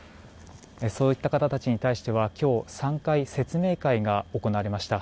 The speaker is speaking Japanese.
そういった方たちに対しては今日３回、説明会が行われました。